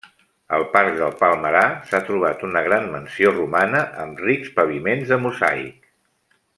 Al Parc del Palmerar s'ha trobat una gran mansió romana amb rics paviments de mosaic.